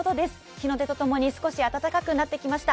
日の出と共に少し暖かくなってきました。